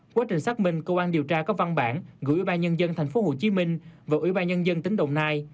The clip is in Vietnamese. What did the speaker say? quá trình xác minh cơ quan điều tra có văn bản gửi ủy ban nhân dân tp hcm và ủy ban nhân dân tỉnh đồng nai